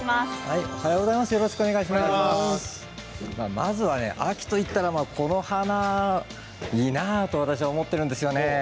まずは秋と言ったらこの花私はいいなと思っているんです。